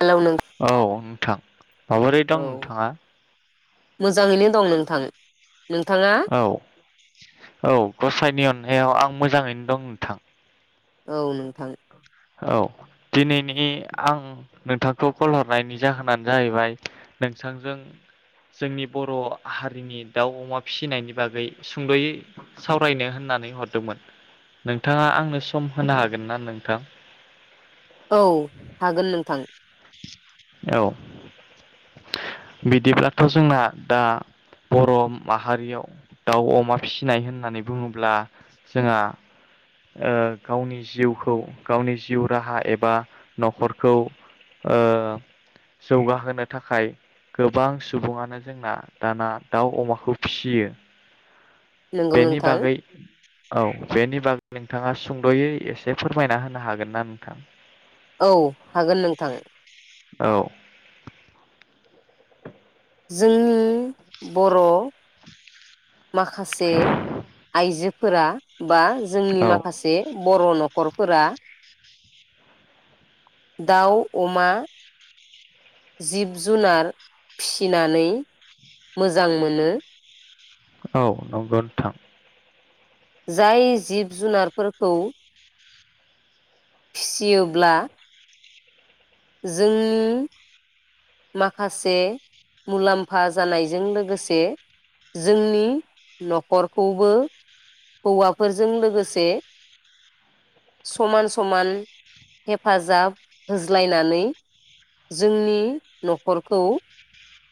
Hello नों औ नोंथां माबोरै दं नोंथाङा। मोजांङैनो दं नोंथां नोंथांङा औ औ गसाइनि अननायाव आं मोजांङैनो दं नोंथां औ नोंथां औ दिनैनि आं नोंथांखौ कल हरनायनि जाहोनानो जाहैबाय नोंथांजों जोंनि बर' हारिनि दाउ अमा फिसिनायनि बागै सुंद'यै सावरायनो होननानै हरदोंमोन नोंथाङा आंनो सम होनो हागोन ना नोंथां औ हागोन नोंथां औ बिदिब्लाथ' जोंना दा बर' माहारियाव दाउ अमा फिसिनाय होननानै बुङोब्ला जोंहा गावनि जिउखौ गावनि जिउ राहा एबा न'खरखौ [inaudible] जौगाहोनो थाखाय गोबां सुबुङानो जोंना दाना दाउ अमाखौ फिसियो नंगौ बेनि नोंथां बागै औ बेनि बागै नोंथाङा सुंद'यै एसे फोरमायना होनो हागोन ना नोंथां औ हागोन नोंथां औ जोंनि बर' माखासे आइजो [inaudible] फोर [unintelligible] बा जोंनि औ माखासे बर' न'खरफोरा दाउ अमा जिब जुनार फिसिनानै मोजां मोनो औ नंगोनथां [unintelligible] जाय जिब जुनारफोरखौ फिसियोब्ला जोंनि माखासे मुलाम्फा जानायजों लोगोसे जोंनि न'खरखौबो हौवाफोरजों लोगोसे समान समान हेफाजाब हो [inaudible] बुज्लायनानै जोंनि न'खरखौ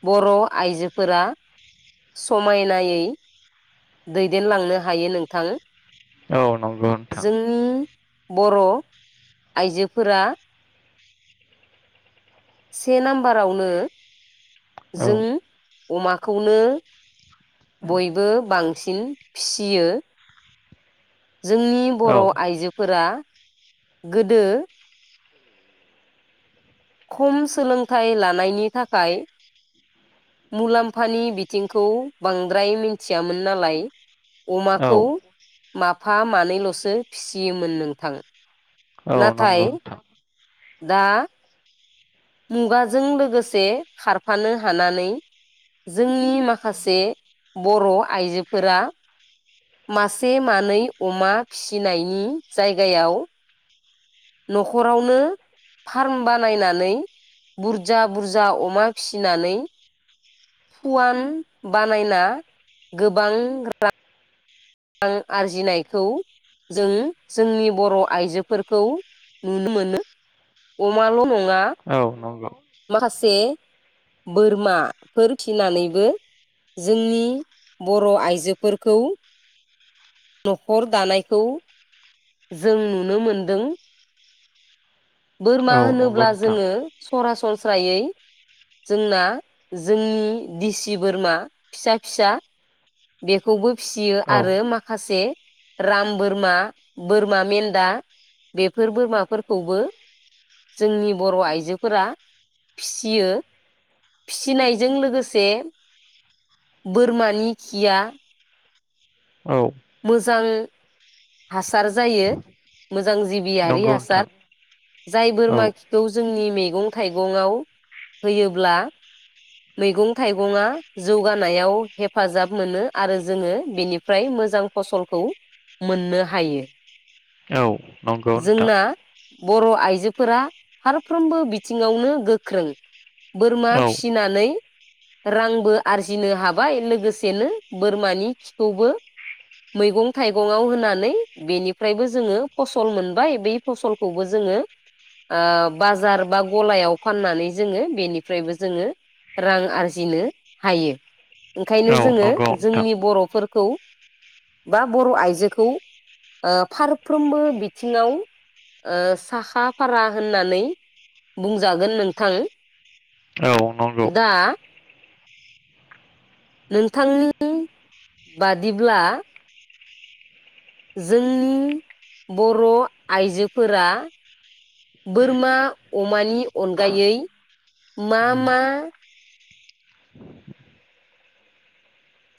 बर' आइजोफोरा समायनायै दैदेनलांनो हायो नोंथां औ नंगौ [inaudible] जोंनि बर' आइजोफोरा से नाम्बारावनो औ जों अमाखौनो बयबो बांसिन फिसियो जोंनि औ बर' आइजोफोरा गोदो खम सोलोंथाइ लानायनि थाखाय मुलाम्फानि बिथिंखौ बांद्राय मिथियामोन नालाय अमाखौ माफा मानैल'सो फिसियोमोन नोंथां औ नाथाय नोंगौथ [inaudible] दा मुगाजों लोगोसे खारफानो हानानै जोंनि माखासे बर' आइजोफोरा मासे मानै अमा फिसिनायनि जायगायाव न'खरावनो फार्म बानायनानै बुरजा बुरजा अमा फिनानै फुवान बानायना गोबां रां [inaudible] रां आरजिनायखौ जों जोंनि बर' आइजोफोरखौ नुनो मोनो अमाल' नङा [inaudible] औ नग [unintelligible] माखासे बोरमाफोर फिनानैबो जोंनि बर' आइजोफोरखौ न'खर दानायखौ जों नुनो मोनदों बोरमा औ नंगौ होनोब्ला नोंथां जोङो सरासनस्रायै जोंना जोंनि दिसि बोरमा फिसा फिसा बेखौबो फियो औ आरो माखासे राम बोरमा बोरमा मेन्दा बेफोर बोरमाफोरखौबो जोंनि बर' आइजोफोरा फिसियो फिसिनायजों लोगोसे बोरमानि खिया औ मोजां हासार जायो, मो जां जिबियारि नंगौ नोंथां हासार जाय औ बोरमा खिखौ जोंनि मैगं थाइगङाव होयोब्ला मैगं थाइगङा जौगानायाव हेफाजाब मोनो आरो जोङो बेनिफ्राय मोजां फसलखौ मोननो हायो। नंगौ नोंथां जोंना बर' आइजोफोरा फारफ्रोमबो बिथिङावनो गोख्रों बोरमा औ फिसिनानै रांबो आरजिनो हाबाय, लोगोसेनो बोरमानि खिखौबो मैगं थाइगंआव होनानै बेनिफ्रायबो जोङो फसल मोनबाय। बै फसलखौबो जोङो बाजार बा गलायाव फाननानै जोङो बेनिफ्रायबो जोङो रां आरजिनो हायो। औ ओंखायनो जोङो नंगौ नोंथां जोंनि बर'फोरखौ बा बर' आइजोखौ फारफ्रोमबो बिथिङाव साखा फारा होननानै बुंजागोन नोंथां। औ नंगौ दा नोंथांनि बादिब्ला जोंनि बर' आइजोफोरा बोरमा अमानि अनगायै मा मा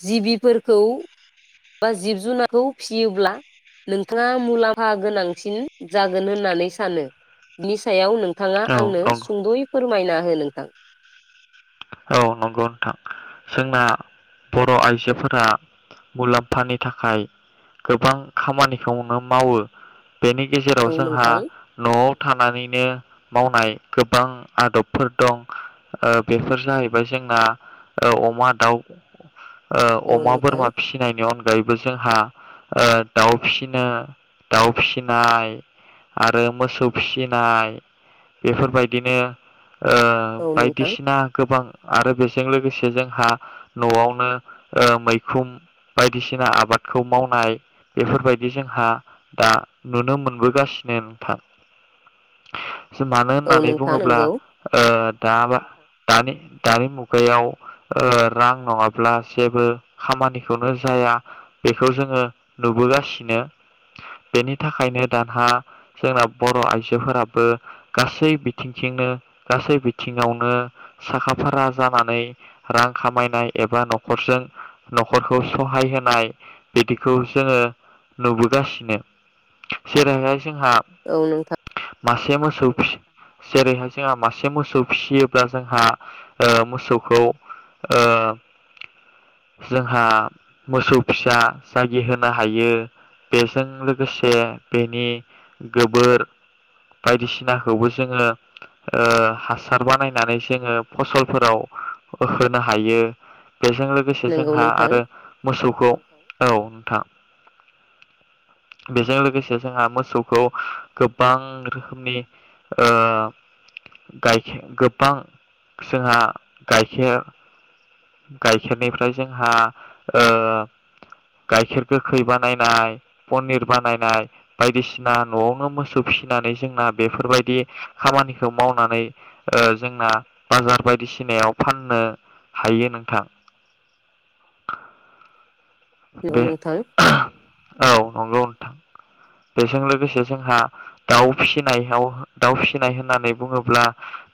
जिबिफोरखौ बा, जिब जुनारखौ फिसियोब्ला नोंथाङा मुलाम्फा गोनांसिन जागोन होननानै सानो? बिनि सायाव नोंथाङा औ आंनो नंगौ सुंद'यै फोरमायना हो नोंथां औ नंगौ नोंथां जोंना बर' आइजोफोरा मुलाम्फानि थाखाय गोबां खामानिखौनो मावो बेनि गेजेराव औ जोंहा नोंथां न'आव थानानैनो मावनाय गोबां आदबफोर दं, ओ बेफोर जाहैबाय जोंना ओ अमा, दाउ, ओ औ अमा, नोंथां बोरमा फिसिनायनि अन गायैबो जोंहा ओ दाउ फिसिनो दाउ फिसिनाय आरो मोसौ फिसिनाय बेफोरबायदिनो ओ औ नोंथां बायदिसिना गोबां आरो बेजों लोगोसे नो जोंहा न'आवनो मैखुन बायदिसिना आबादखौ मावनाय बेफोरबायदि जोंहा दा नुनो मोनबोगासिनो नोंथां। मानो औ होननानै नोंथां बुङोब्ला नंगौ ओ दा दानि दानि मुगायाव ओ रां नङाब्ला जेबो खामानिखौनो जाया, बेखौ जोङो नुबोगासिनो, बेनि थाखायनो दानहा जोंना बर' आइजोफोराबो गासै बिथिंथिंनो गासै बिथिङावनो साखा फारा जानानै रां खामायनाय एबा न'खरजों न'खरखौ सहाय होनाय बिदिखौ जोङो नुबोगासिनो जेरैहाय जोंहा औ नोंथां मासे मोसौ फिसि जेरैहाय जोंहा मासे मोसौ फिसियोब्ला जोंहा मोसौखौ ओ जोंहा मोसौ फिसा जागिहोनो हायो बेजों लोगोसे बेनि गोबोर बायदिसिनाखौबो जोङो ओ हासार बानायनानै जोङो फसलफोराव होनो हायो। बेजों लोगोसे नंगौ जोंहा नोंथां आरो मोसौखौ औ थां बेजों लोगोसे जोंहा मोसौखौ गोबां रोखोमनि गायखेर गोबां जोंहा गाइखेर गाइखेरनिफ्राय जोंहा ओ गाइखेर गोखै बानायनाय, पनिर बानायनाय बायदिसिना न'आवनो मोसौ फिसिनानै जोंना बेफोरबायदि खामानिखौ मावनानै ओ जोंना बाजार बायदिसिनायाव फाननो हायो नोंथां। नंगौ बे नोंथां औ नंगौ बेजों लोगोसे जोंहा दाउ फिसिनायाव, दाउ फिसिनाय होननानै बुङोब्ला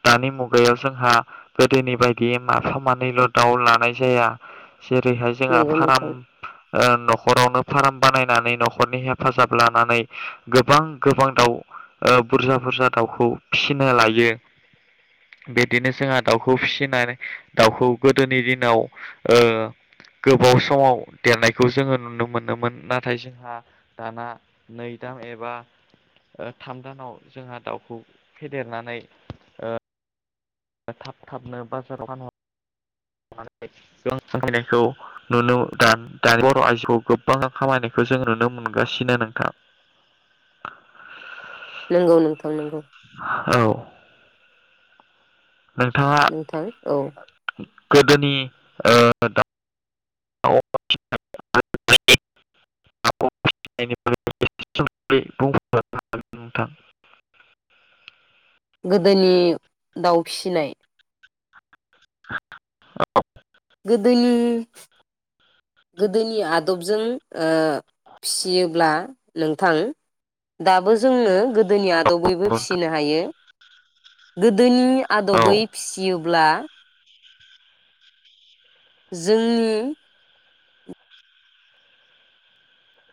दानि मुगायाव जोंहा गोदोनि बायदियै माफा मानैल' दाउ लानाय जाया जेरैहाय जोंहा नंगौ फार्म नोंथां ओ न'खरावनो फार्म बानायनानै न'खरनि हेफाजाब लानानै गोबां गोबां दाउ बुरजा बुरजा दाउखौ फिसिनो लायो, बिदिनो जोंहा दाउखौ फिसिनाय दाउखौ गोदोनि दिनाव ओ गोबाव समाव देरनायखौ जोङो नुनो मोनोमोन नाथाय जोंहा दाना नै दान एबा ओ थाम दानाव जोंहा दाउखौ फेदेरनानै ओ थाब थाबनो बाजाराव फानहर ख दानि बर' आइजोखौ गोबाङा खामायनायखौ जों नुनो मोनगासिनो नोंथाङ नंगौ नोंथां नंगौ औ नोंथाङा नोंथां औ गोदोनि ओ [unintelligible] [unintelligible] गोदोनि दाउ फिसिनाय गोदोनि गोदोनि आदबजों ओफिसियोब्ला नोंथां दाबो जोंनो गोदोनि आ दबैबो फिसिनो हायो गोदोनि औ आदबै फिसियो अब्ला जोंनि